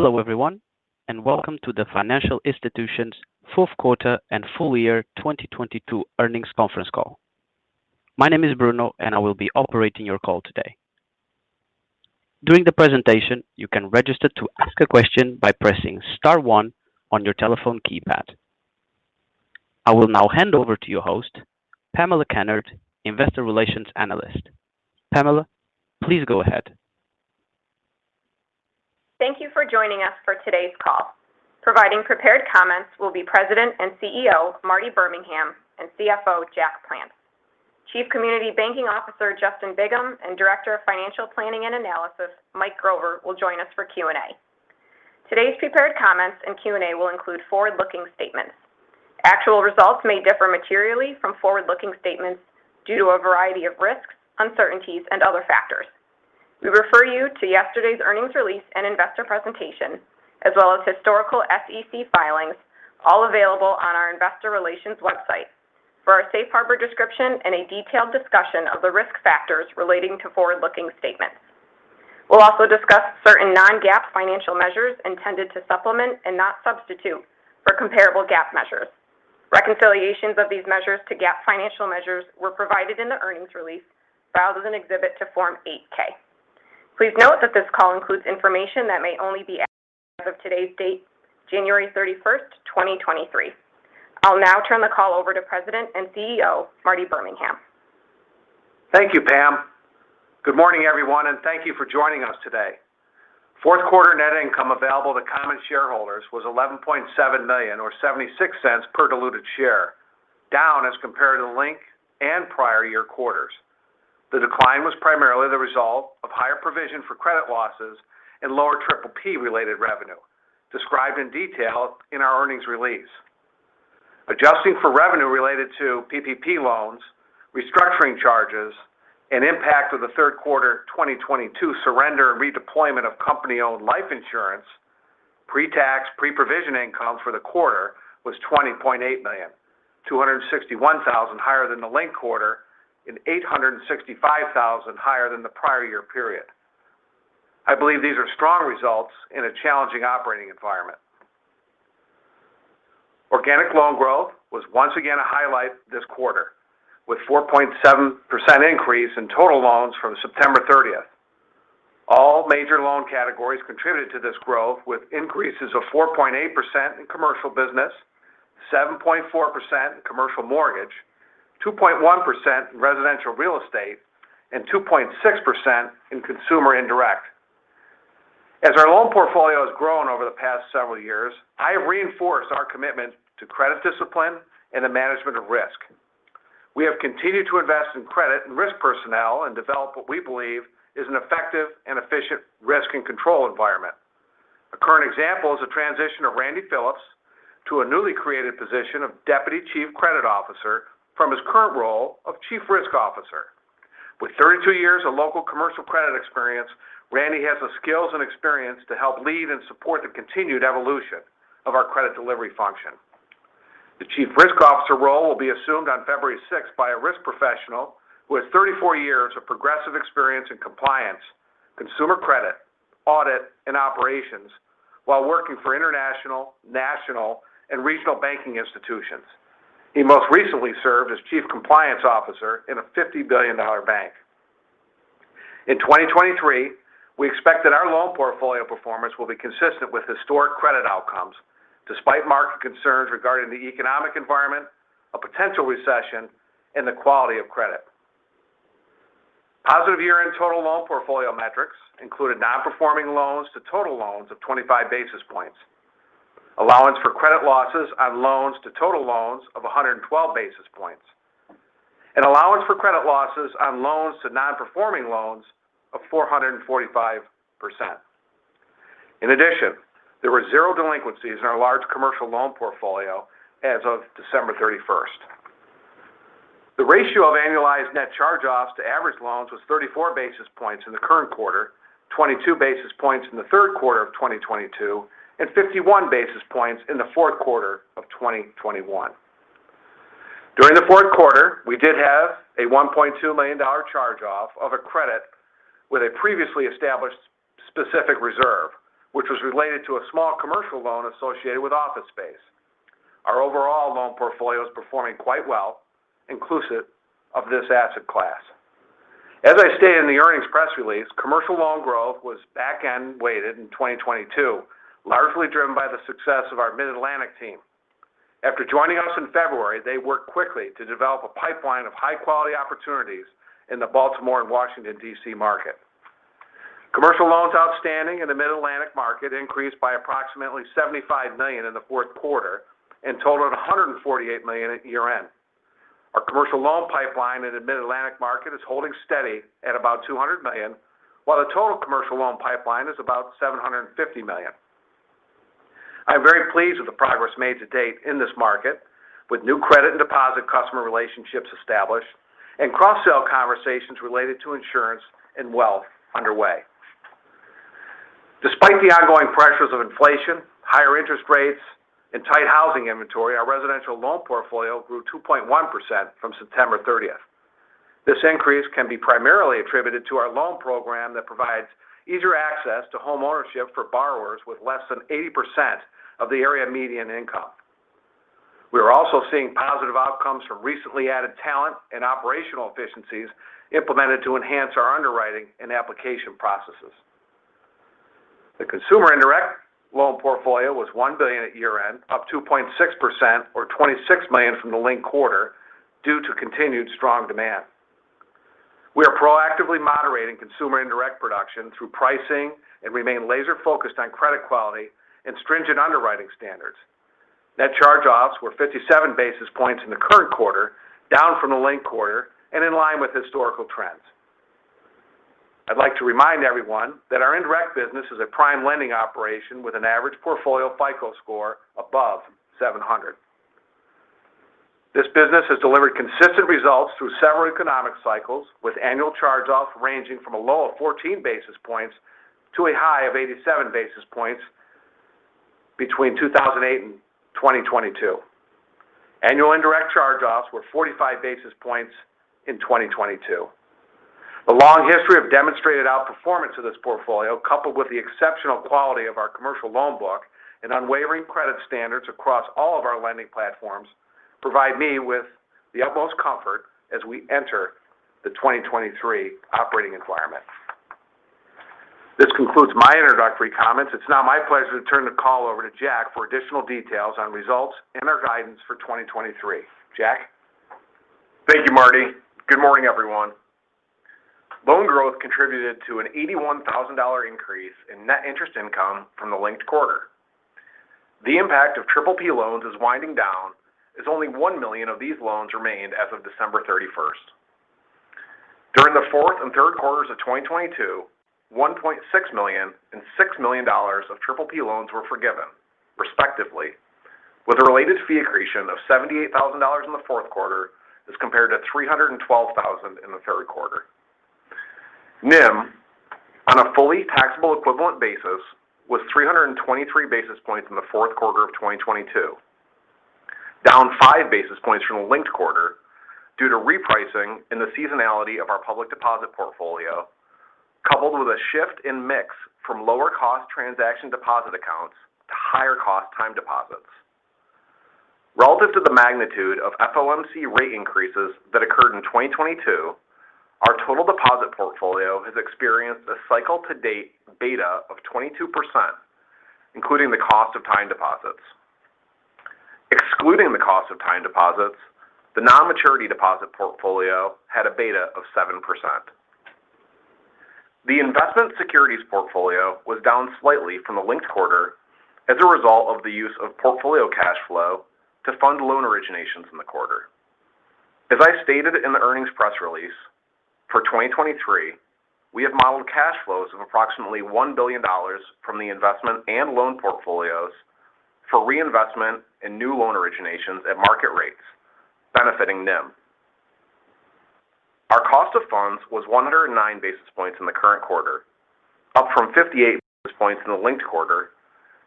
Hello everyone, welcome to the Financial Institutions' Fourth Quarter and Full Year 2022 Earnings Conference Call. My name is Bruno and I will be operating your call today. During the presentation, you can register to ask a question by pressing star one on your telephone keypad. I will now hand over to your host, Pamela Kennard, Investor Relations Analyst. Pamela, please go ahead. Thank you for joining us for today's call. Providing prepared comments will be President and CEO, Marty Birmingham and CFO, W. Jack Plants II. Chief Community Banking Officer, Justin K. Bigham, and Director of Financial Planning and Analysis, Michael David Grover, will join us for Q&A. Today's prepared comments and Q&A will include forward-looking statements. Actual results may differ materially from forward-looking statements due to a variety of risks, uncertainties and other factors. We refer you to yesterday's earnings release and investor presentation as well as historical SEC filings, all available on our investor relations website for our safe harbor description and a detailed discussion of the risk factors relating to forward-looking statements. We'll also discuss certain non-GAAP financial measures intended to supplement and not substitute for comparable GAAP measures. Reconciliations of these measures to GAAP financial measures were provided in the earnings release filed as an exhibit to Form 8-K. Please note that this call includes information that may only be as of today's date, January 35, 2023. I'll now turn the call over to President and CEO, Marty Birmingham. Thank you, Pam. Good morning, everyone, and thank you for joining us today. Fourth quarter net income available to common shareholders was $11.7 million or $0.76 per diluted share, down as compared to linked and prior-year quarters. The decline was primarily the result of higher provision for credit losses and lower PPP related revenue described in detail in our earnings release. Adjusting for revenue related to PPP loans, restructuring charges, and impact of the third quarter 2022 surrender and redeployment of company-owned life insurance, pre-tax pre-provision income for the quarter was $20.8 million, $261,000 higher than the linked quarter and $865,000 higher than the prior-year period. I believe these are strong results in a challenging operating environment. Organic loan growth was once again a highlight this quarter with 4.7% increase in total loans from September 30th. All major loan categories contributed to this growth with increases of 4.8% in commercial business, 7.4% commercial mortgage, 2.1% residential real estate, and 2.6% in consumer indirect. As our loan portfolio has grown over the past several years, I have reinforced our commitment to credit discipline and the management of risk. We have continued to invest in credit and risk personnel and develop what we believe is an effective and efficient risk and control environment. A current example is a transition of Randy Phillips to a newly created position of Deputy Chief Credit Officer from his current role of Chief Risk Officer. With 32 years of local commercial credit experience, Randy has the skills and experience to help lead and support the continued evolution of our credit delivery function. The Chief Risk Officer role will be assumed on February 6th by a risk professional who has 34 years of progressive experience in compliance, consumer credit, audit, and operations while working for international, national, and regional banking institutions. He most recently served as Chief Compliance Officer in a $50 billion bank. In 2023, we expect that our loan portfolio performance will be consistent with historic credit outcomes despite market concerns regarding the economic environment, a potential recession, and the quality of credit. Positive year-end total loan portfolio metrics included non-performing loans to total loans of 25 basis points. Allowance for credit losses on loans to total loans of 112 basis points. An allowance for credit losses on loans to non-performing loans of 445%. There were 0 delinquencies in our large commercial loan portfolio as of December 31st. The ratio of annualized net charge-offs to average loans was 34 basis points in the current quarter, 22 basis points in the third quarter of 2022, and 51 basis points in the fourth quarter of 2021. During the fourth quarter, we did have a $1.2 million charge-off of a credit with a previously established specific reserve, which was related to a small commercial loan associated with office space. Our overall loan portfolio is performing quite well inclusive of this asset class. As I stated in the earnings press release, commercial loan growth was back-end weighted in 2022, largely driven by the success of our Mid-Atlantic team. After joining us in February, they worked quickly to develop a pipeline of high-quality opportunities in the Baltimore and Washington, D.C. market. Commercial loans outstanding in the Mid-Atlantic market increased by approximately $75 million in the fourth quarter and totaled $148 million at year-end. Our commercial loan pipeline in the Mid-Atlantic market is holding steady at about $200 million, while the total commercial loan pipeline is about $750 million. I'm very pleased with the progress made to date in this market with new credit and deposit customer relationships established and cross-sell conversations related to insurance and wealth underway. Despite the ongoing pressures of inflation, higher interest rates, and tight housing inventory, our residential loan portfolio grew 2.1% from September 30th. This increase can be primarily attributed to our loan program that provides easier access to homeownership for borrowers with less than 80% of the area median income. We are also seeing positive outcomes from recently added talent and operational efficiencies implemented to enhance our underwriting and application processes. The consumer indirect loan portfolio was $1 billion at year-end, up 2.6% or $26 million from the linked quarter due to continued strong demand. We are proactively moderating consumer indirect production through pricing and remain laser-focused on credit quality and stringent underwriting standards. Net charge-offs were 57 basis points in the current quarter, down from the linked quarter and in line with historical trends. I'd like to remind everyone that our indirect business is a prime lending operation with an average portfolio FICO score above 700. This business has delivered consistent results through several economic cycles, with annual charge-offs ranging from a low of 14 basis points to a high of 87 basis points between 2008 and 2022. Annual indirect charge-offs were 45 basis points in 2022. The long history of demonstrated outperformance of this portfolio, coupled with the exceptional quality of our commercial loan book and unwavering credit standards across all of our lending platforms, provide me with the utmost comfort as we enter the 2023 operating environment. This concludes my introductory comments. It's now my pleasure to turn the call over to Jack for additional details on results and our guidance for 2023. Jack? Thank you, Marty. Good morning, everyone. Loan growth contributed to an $81,000 increase in net interest income from the linked quarter. The impact of PPP loans is winding down as only $1 million of these loans remained as of December 31st. During the fourth and third quarters of 2022, $1.6 million and $6 million of PPP loans were forgiven, respectively, with a related fee accretion of $78,000 in the fourth quarter as compared to $312,000 in the third quarter. NIM, on a fully taxable equivalent basis, was 323 basis points in the fourth quarter of 2022, down 5 basis points from the linked quarter due to repricing in the seasonality of our public deposit portfolio, coupled with a shift in mix from lower-cost transaction deposit accounts to higher-cost time deposits. Relative to the magnitude of FOMC rate increases that occurred in 2022, our total deposit portfolio has experienced a cycle-to-date beta of 22%, including the cost of time deposits. Excluding the cost of time deposits, the non-maturity deposit portfolio had a beta of 7%. The investment securities portfolio was down slightly from the linked quarter as a result of the use of portfolio cash flow to fund loan originations in the quarter. As I stated in the earnings press release, for 2023, we have modeled cash flows of approximately $1 billion from the investment and loan portfolios for reinvestment in new loan originations at market rates, benefiting NIM. Our cost of funds was 109 basis points in the current quarter, up from 58 basis points in the linked quarter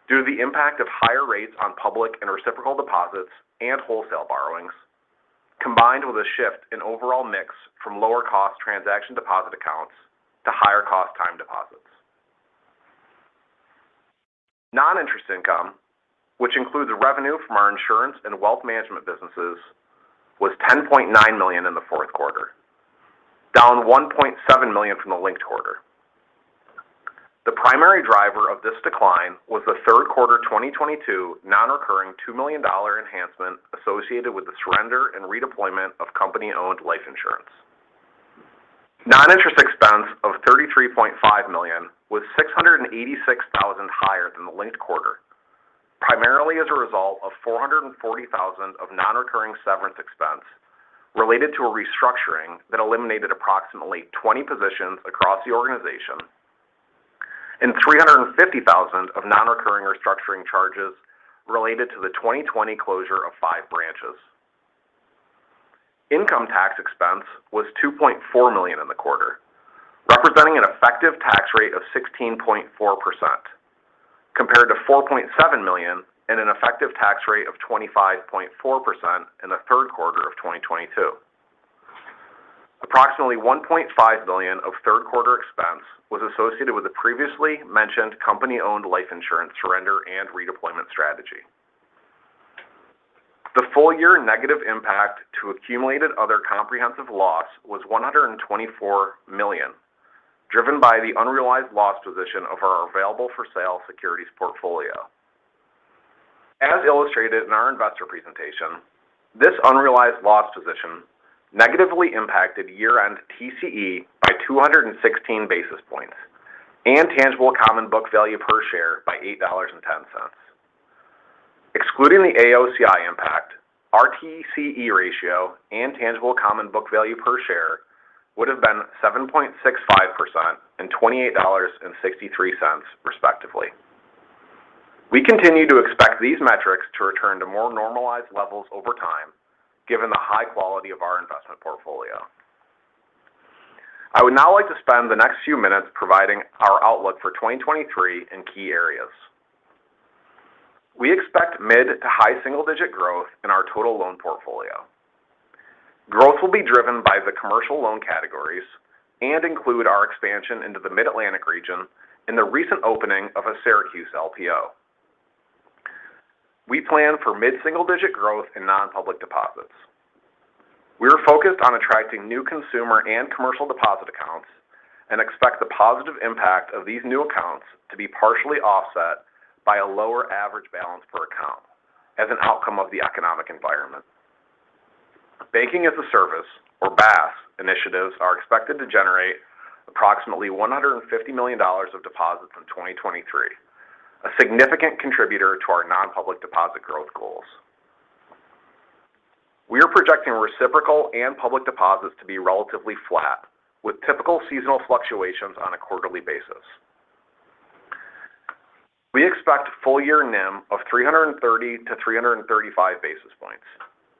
due to the impact of higher rates on public and reciprocal deposits and wholesale borrowings, combined with a shift in overall mix from lower-cost transaction deposit accounts to higher-cost time deposits. Non-interest income, which includes revenue from our insurance and wealth management businesses, was $10.9 million in the fourth quarter, down $1.7 million from the linked quarter. The primary driver of this decline was the third quarter 2022 non-recurring $2 million enhancement associated with the surrender and redeployment of company-owned life insurance. Non-interest expense of $33.5 million was $686,000 higher than the linked quarter, primarily as a result of $440,000 of non-recurring severance expense related to a restructuring that eliminated approximately 20 positions across the organization and $350,000 of non-recurring restructuring charges related to the 2020 closure of 5 branches. Income tax expense was $2.4 million in the quarter, representing an effective tax rate of 16.4% compared to $4.7 million and an effective tax rate of 25.4% in the third quarter of 2022. Approximately $1.5 million of third quarter expense was associated with the previously mentioned company-owned life insurance surrender and redeployment strategy. The full-year negative impact to accumulated other comprehensive loss was $124 million, driven by the unrealized loss position of our available-for-sale securities portfolio. As illustrated in our investor presentation, this unrealized loss position negatively impacted year-end TCE by 216 basis points and tangible common book value per share by $8.10. Excluding the AOCI impact, our TCE ratio and tangible common book value per share would have been 7.65% and $28.63, respectively. We continue to expect these metrics to return to more normalized levels over time, given the high quality of our investment portfolio. I would now like to spend the next few minutes providing our outlook for 2023 in key areas. We expect mid to high single-digit growth in our total loan portfolio. Growth will be driven by the commercial loan categories and include our expansion into the Mid-Atlantic region in the recent opening of a Syracuse LPO. We plan for mid-single-digit growth in non-public deposits. We are focused on attracting new consumer and commercial deposit accounts and expect the positive impact of these new accounts to be partially offset by a lower average balance per account as an outcome of the economic environment. Banking-as-a-service, or BaaS initiatives are expected to generate approximately $150 million of deposits in 2023, a significant contributor to our non-public deposit growth goals. We are projecting reciprocal and public deposits to be relatively flat, with typical seasonal fluctuations on a quarterly basis. We expect full year NIM of 330-335 basis points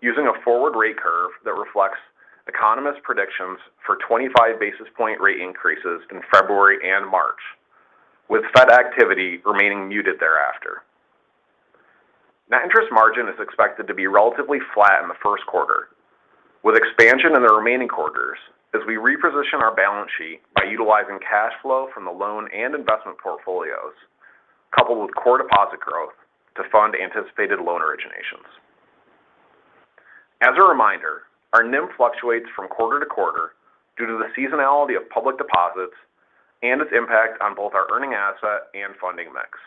using a forward rate curve that reflects economists' predictions for 25 basis point rate increases in February and March, with Fed activity remaining muted thereafter. Net interest margin is expected to be relatively flat in the first quarter, with expansion in the remaining quarters as we reposition our balance sheet by utilizing cash flow from the loan and investment portfolios, coupled with core deposit growth to fund anticipated loan originations. As a reminder, our NIM fluctuates from quarter to quarter due to the seasonality of public deposits and its impact on both our earning asset and funding mix.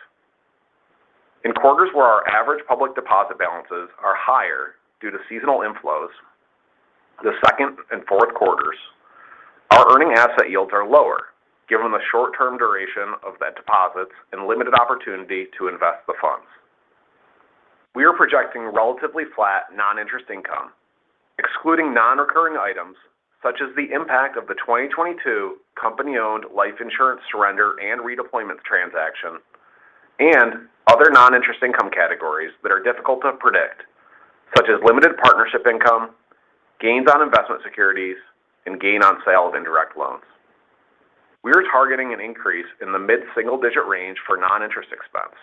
In quarters where our average public deposit balances are higher due to seasonal inflows, the second and fourth quarters, our earning asset yields are lower given the short-term duration of that deposits and limited opportunity to invest the funds. We are projecting relatively flat non-interest income, excluding non-recurring items such as the impact of the 2022 company-owned life insurance surrender and redeployment transaction and other non-interest income categories that are difficult to predict, such as limited partnership income, gains on investment securities, and gain on sale of indirect loans. We are targeting an increase in the mid-single-digit range for non-interest expense.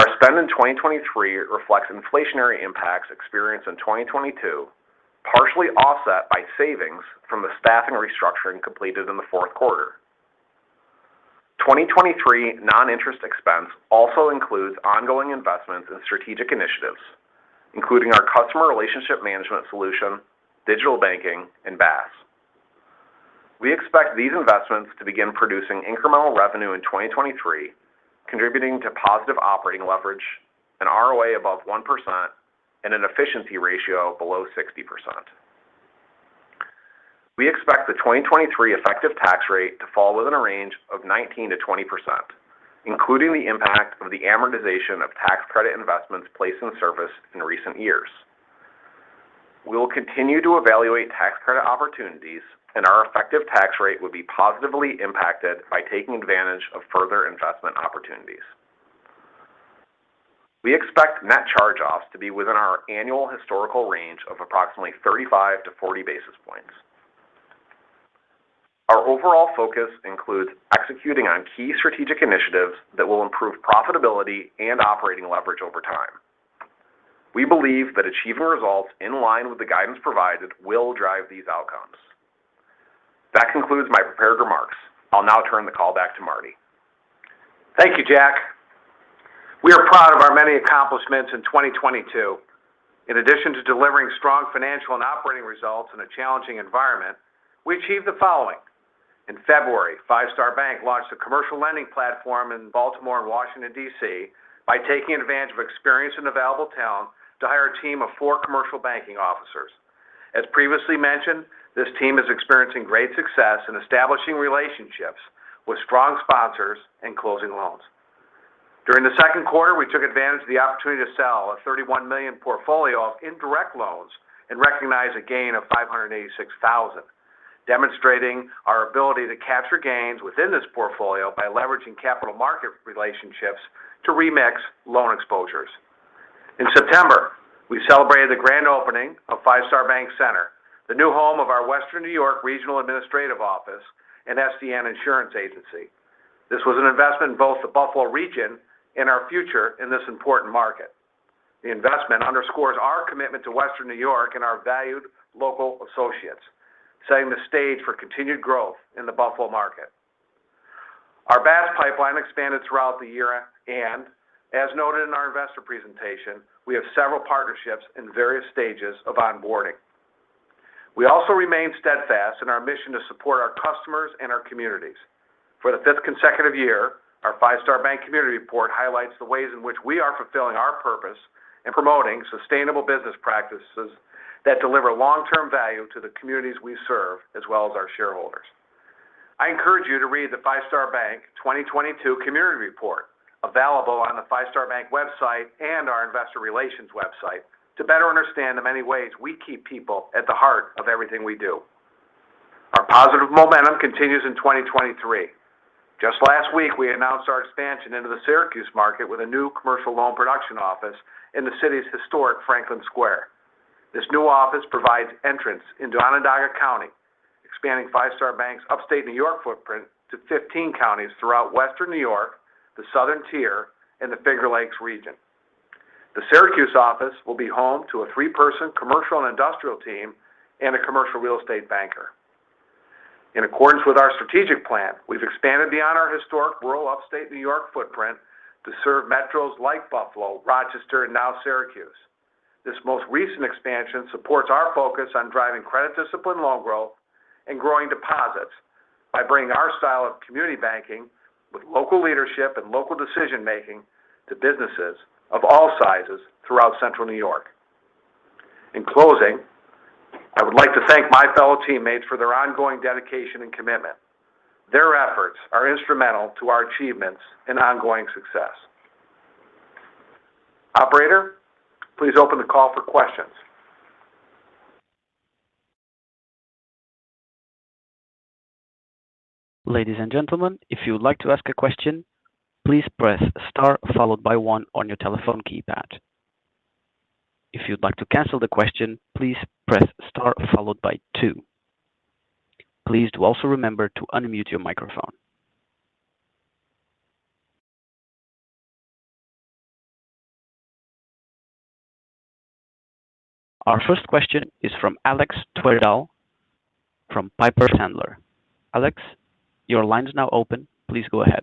Our spend in 2023 reflects inflationary impacts experienced in 2022, partially offset by savings from the staffing restructuring completed in the fourth quarter. 2023 non-interest expense also includes ongoing investments in strategic initiatives, including our customer relationship management solution, digital banking, and BaaS. We expect these investments to begin producing incremental revenue in 2023, contributing to positive operating leverage an ROA above 1% and an efficiency ratio below 60%. We expect the 2023 effective tax rate to fall within a range of 19%-20%, including the impact of the amortization of tax credit investments placed in service in recent years. We will continue to evaluate tax credit opportunities. Our effective tax rate would be positively impacted by taking advantage of further investment opportunities. We expect net charge-offs to be within our annual historical range of approximately 35-40 basis points. Our overall focus includes executing on key strategic initiatives that will improve profitability and operating leverage over time. We believe that achieving results in line with the guidance provided will drive these outcomes. That concludes my prepared remarks. I'll now turn the call back to Marty. Thank you, Jack. We are proud of our many accomplishments in 2022. In addition to delivering strong financial and operating results in a challenging environment, we achieved the following. In February, Five Star Bank launched a commercial lending platform in Baltimore and Washington, D.C., by taking advantage of experience in available talent to hire a team of four commercial banking officers. As previously mentioned, this team is experiencing great success in establishing relationships with strong sponsors and closing loans. During the second quarter, we took advantage of the opportunity to sell a $31 million portfolio of indirect loans and recognize a gain of $586,000, demonstrating our ability to capture gains within this portfolio by leveraging capital market relationships to remix loan exposures. In September, we celebrated the grand opening of Five Star Bank Center, the new home of our Western New York Regional Administrative Office and SDN Insurance Agency. This was an investment in both the Buffalo region and our future in this important market. The investment underscores our commitment to Western New York and our valued local associates, setting the stage for continued growth in the Buffalo market. Our BaaS pipeline expanded throughout the year and as noted in our investor presentation, we have several partnerships in various stages of onboarding. We also remain steadfast in our mission to support our customers and our communities. For the fifth consecutive year, our Five Star Bank Community Report highlights the ways in which we are fulfilling our purpose and promoting sustainable business practices that deliver long-term value to the communities we serve, as well as our shareholders. I encourage you to read the Five Star Bank 2022 Community Report available on the Five Star Bank website and our investor relations website to better understand the many ways we keep people at the heart of everything we do. Our positive momentum continues in 2023. Just last week, we announced our expansion into the Syracuse market with a new commercial loan production office in the city's historic Franklin Square. This new office provides entrance into Onondaga County. Expanding Five Star Bank's upstate New York footprint to 15 counties throughout western New York, the Southern Tier, and the Finger Lakes region. The Syracuse office will be home to a 3-person commercial and industrial team and a commercial real estate banker. In accordance with our strategic plan, we've expanded beyond our historic rural upstate New York footprint to serve metros like Buffalo, Rochester, and now Syracuse. This most recent expansion supports our focus on driving credit discipline loan growth and growing deposits by bringing our style of community banking with local leadership and local decision-making to businesses of all sizes throughout Central New York. In closing, I would like to thank my fellow teammates for their ongoing dedication and commitment. Their efforts are instrumental to our achievements and ongoing success. Operator, please open the call for questions. Ladies and gentlemen, if you would like to ask a question, please press star followed by one on your telephone keypad. If you'd like to cancel the question, please press star followed by two. Please do also remember to unmute your microphone. Our first question is from Alex Twerdahl from Piper Sandler. Alex, your line is now open. Please go ahead.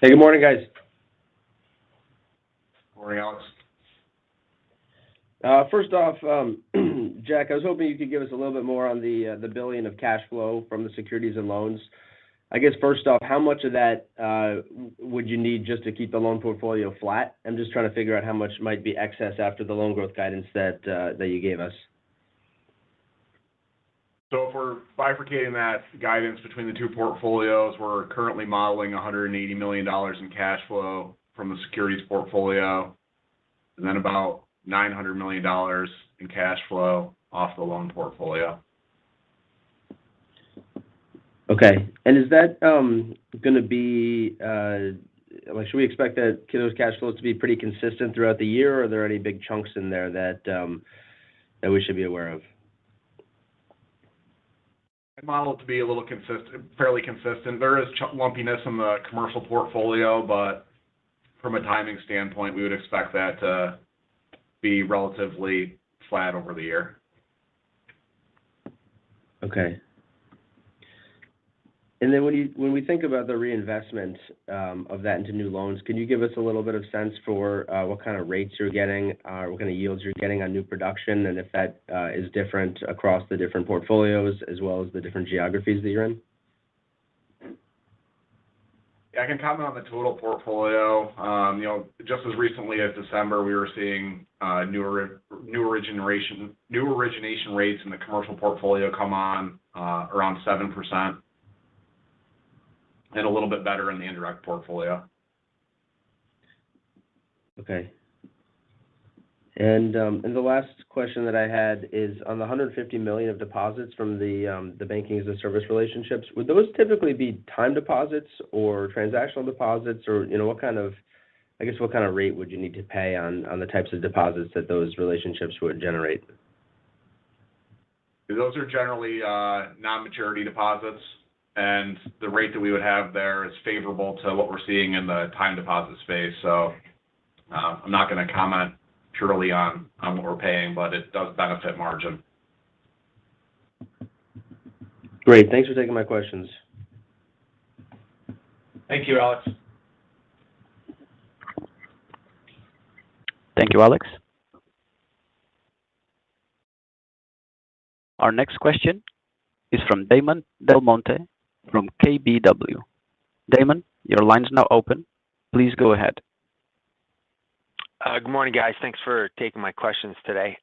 Hey, good morning, guys. Morning, Alex. First off, Jack, I was hoping you could give us a little bit more on the $1 billion of cash flow from the securities and loans. I guess, first off, how much of that would you need just to keep the loan portfolio flat? I'm just trying to figure out how much might be excess after the loan growth guidance that you gave us. For bifurcating that guidance between the two portfolios, we're currently modeling $180 million in cash flow from the securities portfolio, and then about $900 million in cash flow off the loan portfolio. Okay. Like, can those cash flows to be pretty consistent throughout the year, or are there any big chunks in there that we should be aware of? I model it to be a little fairly consistent. There is lumpiness in the commercial portfolio, but from a timing standpoint, we would expect that to be relatively flat over the year. Okay. When we think about the reinvestment of that into new loans, can you give us a little bit of sense for what kind of rates you're getting, what kind of yields you're getting on new production and if that is different across the different portfolios as well as the different geographies that you're in? Yeah, I can comment on the total portfolio. You know, just as recently as December, we were seeing, new origination rates in the commercial portfolio come on, around 7% and a little bit better in the indirect portfolio. Okay. The last question that I had is on the $150 million of deposits from the Banking-as-a-Service relationships, would those typically be time deposits or transactional deposits or, what kind of rate would you need to pay on the types of deposits that those relationships would generate? Those are generally non-maturity deposits. The rate that we would have there is favorable to what we're seeing in the time deposit space. I'm not gonna comment purely on what we're paying, but it does benefit margin. Great. Thanks for taking my questions. Thank you, Alex. Thank you, Alex. Our next question is from Damon DelMonte from KBW. Damon, your line is now open. Please go ahead. Good morning, guys. Thanks for taking my questions today.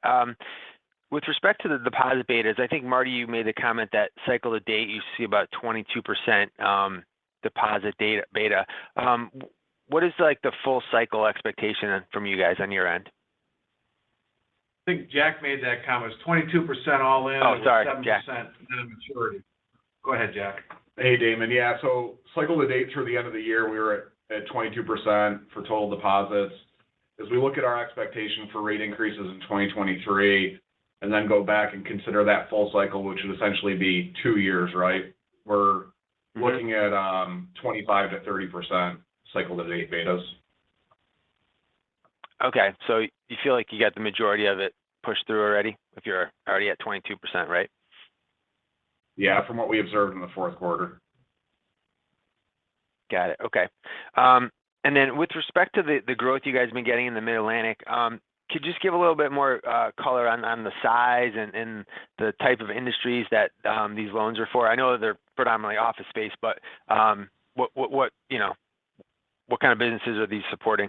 With respect to the deposit betas, I think, Marty, you made the comment that cycle to date you see about 22% deposit beta. What is, like, the full cycle expectation from you guys on your end? I think Jack made that comment. It's 22% all in- Oh, sorry. Jack... with 7% end of maturity. Go ahead, Jack. Hey, Damon. Yeah. Cycle to date through the end of the year, we were at 22% for total deposits. As we look at our expectation for rate increases in 2023 and then go back and consider that full cycle, which would essentially be 2 years, right? We're looking at 25%-30% cycle to date betas. Okay. You feel like you got the majority of it pushed through already if you're already at 22%, right? Yeah, from what we observed in the fourth quarter. Got it. Okay. With respect to the growth you guys have been getting in the Mid-Atlantic, could you just give a little bit more color on the size and the type of industries that these loans are for? I know they're predominantly office space, but what, you know, what kind of businesses are these supporting?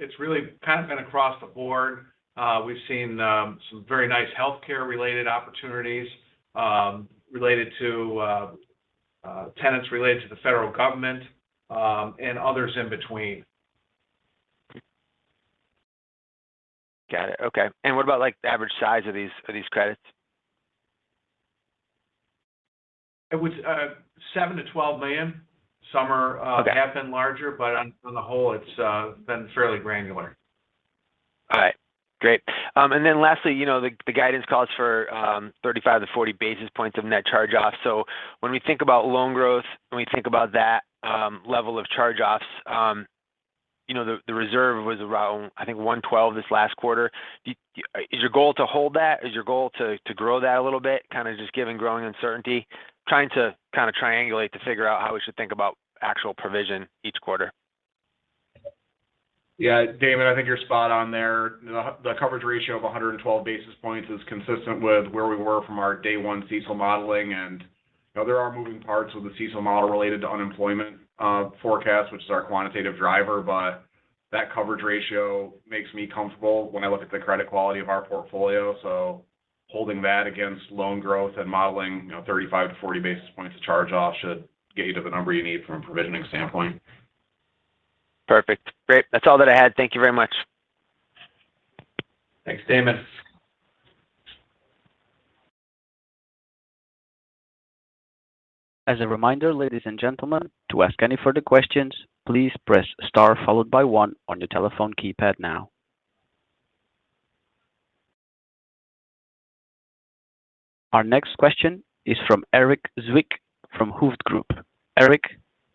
It's really kind of been across the board. We've seen some very nice healthcare-related opportunities, related to tenants related to the federal government, and others in between. Got it. Okay. What about, like, the average size of these credits? It was $7 million-$12 million. Some are have been larger, but on the whole it's been fairly granular. All right. Great. Lastly, you know, the guidance calls for 35-40 basis points of net charge-offs. When we think about loan growth and we think about that level of charge-offs, you know, the reserve was around, I think, 1.12% this last quarter. Is your goal to hold that? Is your goal to grow that a little bit, kind of just given growing uncertainty? Trying to kind of triangulate to figure out how we should think about actual provision each quarter. Damon, I think you're spot on there. The coverage ratio of 112 basis points is consistent with where we were from our day one CECL modeling. You know, there are moving parts of the CECL model related to unemployment forecasts, which is our quantitative driver. That coverage ratio makes me comfortable when I look at the credit quality of our portfolio. Holding that against loan growth and modeling, you know, 35-40 basis points of charge-offs should get you to the number you need from a provisioning standpoint. Perfect. Great. That's all that I had. Thank you very much. Thanks, Damon. As a reminder, ladies and gentlemen, to ask any further questions, please press star followed by one on your telephone keypad now. Our next question is from Eric Zwick from Hovde Group. Eric,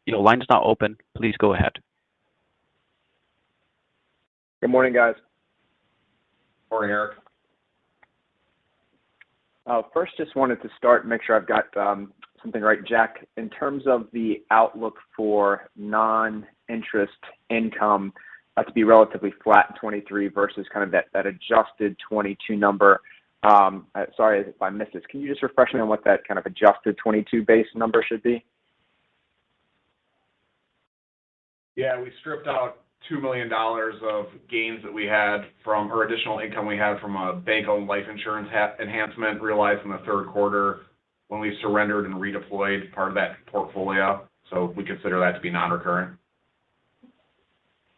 your line is now open. Please go ahead. Good morning, guys. Morning, Eric. First just wanted to start and make sure I've got something right. Jack, in terms of the outlook for non-interest income, to be relatively flat in 2023 versus kind of that adjusted 2022 number. Sorry if I missed this. Can you just refresh me on what that kind of adjusted 2022 base number should be? We stripped out $2 million of gains that we had or additional income we had from a bank-owned life insurance enhancement realized in the third quarter when we surrendered and redeployed part of that portfolio. We consider that to be non-recurring.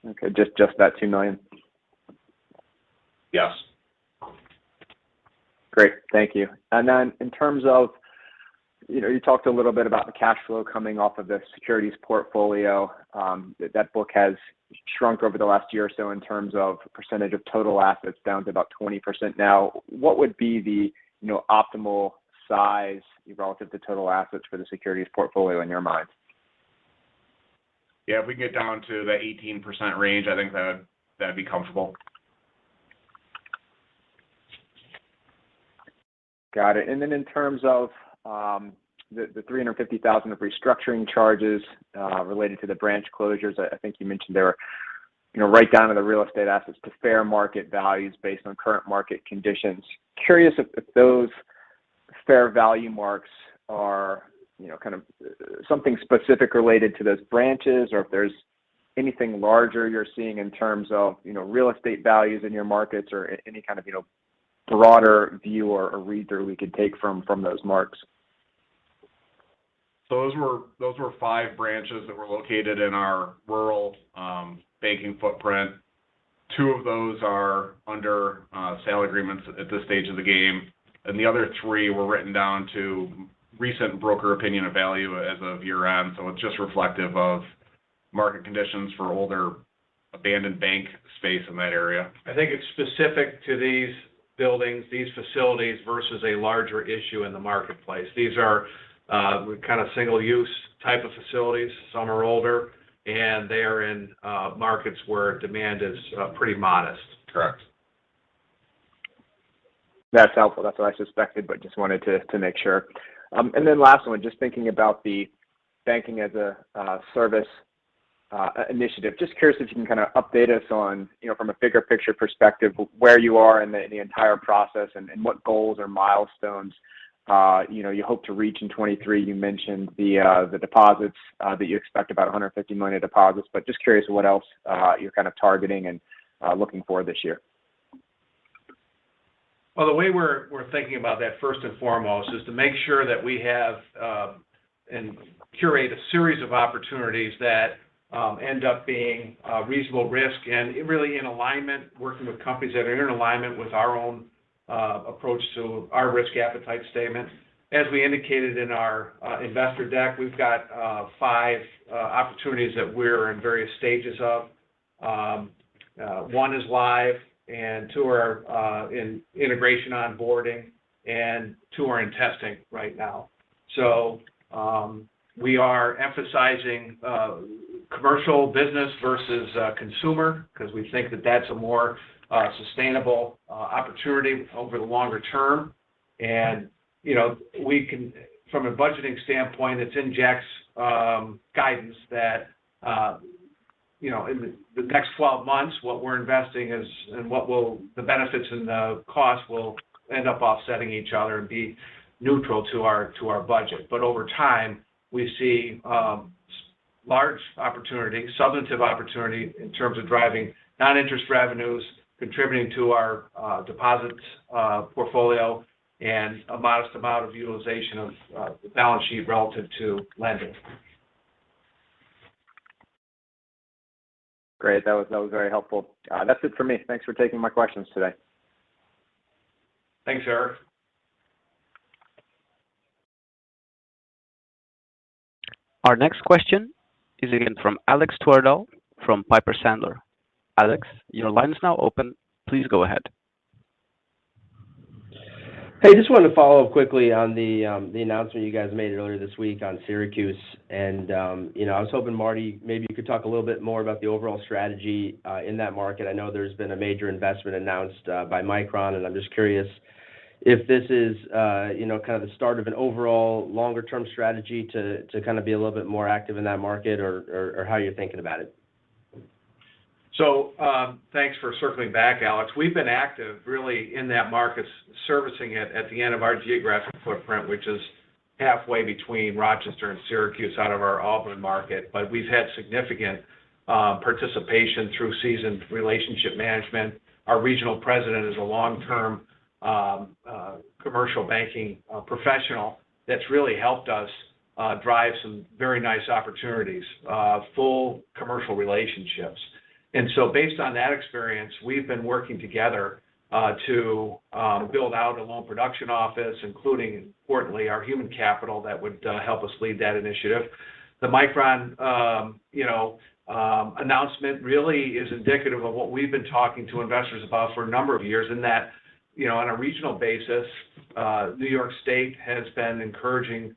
Okay. Just that $2 million? Yes. Great. Thank you. Then in terms of, you know, you talked a little bit about the cash flow coming off of the securities portfolio. That book has shrunk over the last year or so in terms of percentage of total assets down to about 20% now. What would be the, you know, optimal size relative to total assets for the securities portfolio in your mind? Yeah. If we can get down to the 18% range, I think that'd be comfortable. Got it. In terms of, the $350,000 of restructuring charges, related to the branch closures, I think you mentioned there were, you know, right down to the real estate assets to fair market values based on current market conditions. Curious if those fair value marks are, you know, kind of something specific related to those branches or if there's anything larger you're seeing in terms of, you know, real estate values in your markets or any kind of, you know, broader view or read-through we could take from those marks? Those were 5 branches that were located in our rural banking footprint. Two of those are under sale agreements at this stage of the game, and the other three were written down to recent broker opinion of value as of year-end. It's just reflective of market conditions for older abandoned bank space in that area. I think it's specific to these buildings, these facilities versus a larger issue in the marketplace. These are kind of single-use type of facilities. Some are older, and they are in markets where demand is pretty modest. Correct. That's helpful. That's what I suspected, but just wanted to make sure. Then last one, just thinking about the Banking-as-a-Service initiative. Just curious if you can kind of update us on, you know, from a bigger picture perspective, where you are in the entire process and what goals or milestones, you know, you hope to reach in 2023. You mentioned the deposits that you expect about $150 million of deposits, but just curious what else you're kind of targeting and looking for this year. The way we're thinking about that first and foremost is to make sure that we have and curate a series of opportunities that end up being reasonable risk and really in alignment, working with companies that are in alignment with our own approach to our risk appetite statement. As we indicated in our investor deck, we've got five opportunities that we're in various stages of. One is live and two are in integration onboarding, and two are in testing right now. We are emphasizing commercial business versus consumer because we think that that's a more sustainable opportunity over the longer term. You know, from a budgeting standpoint, it's in Jack's guidance that, you know, in the next 12 months, what we're investing is and what will the benefits and the costs will end up offsetting each other and be neutral to our budget. Over time, we see large opportunity, substantive opportunity in terms of driving non-interest revenues, contributing to our deposits portfolio and a modest amount of utilization of the balance sheet relative to lending. Great. That was very helpful. That's it for me. Thanks for taking my questions today. Thanks, Eric. Our next question is again from Alex Twerdahl from Piper Sandler. Alex, your line is now open. Please go ahead. Hey, just wanted to follow up quickly on the announcement you guys made earlier this week on Syracuse. You know, I was hoping, Marty, maybe you could talk a little bit more about the overall strategy in that market. I know there's been a major investment announced by Micron, and I'm just curious if this is, you know, kind of the start of an overall longer-term strategy to kind of be a little bit more active in that market or how you're thinking about it. Thanks for circling back, Alex Twerdahl. We've been active really in that market, servicing it at the end of our geographic footprint, which is halfway between Rochester and Syracuse out of our Albany market. We've had significant participation through seasoned relationship management. Our regional president is a long-term commercial banking professional that's really helped us drive some very nice opportunities, full commercial relationships. Based on that experience, we've been working together to build out a loan production office, including importantly our human capital that would help us lead that initiative. The Micron, you know, announcement really is indicative of what we've been talking to investors about for a number of years in that, you know, on a regional basis, New York State has been encouraging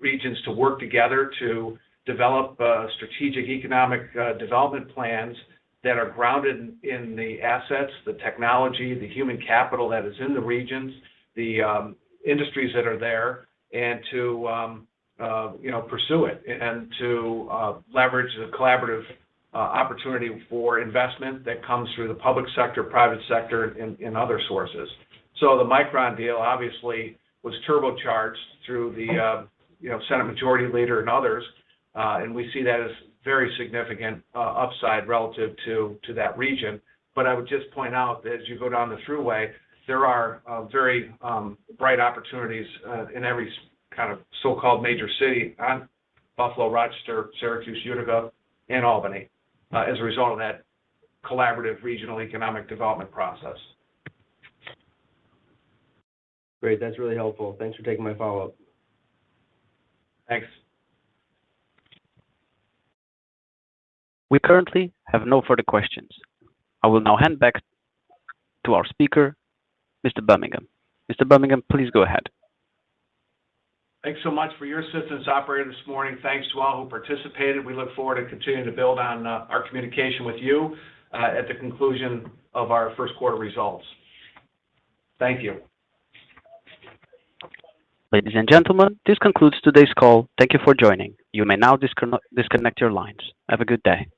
regions to work together to develop strategic economic development plans that are grounded in the assets, the technology, the human capital that is in the regions, the industries that are there, and to, you know, pursue it and to leverage the collaborative opportunity for investment that comes through the public sector, private sector in other sources. The Micron deal obviously was turbocharged through the, you know, Senate majority leader and others, and we see that as very significant upside relative to that region. I would just point out as you go down the thruway, there are very bright opportunities in every kind of so-called major city on Buffalo, Rochester, Syracuse, Utica, and Albany, as a result of that collaborative regional economic development process. Great. That's really helpful. Thanks for taking my follow-up. Thanks. We currently have no further questions. I will now hand back to our speaker, Mr. Birmingham. Mr. Birmingham, please go ahead. Thanks so much for your assistance operator this morning. Thanks to all who participated. We look forward to continuing to build on our communication with you at the conclusion of our first quarter results. Thank you. Ladies and gentlemen, this concludes today's call. Thank you for joining. You may now disconnect your lines. Have a good day.